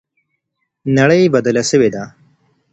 نړۍ بدله سوې ده.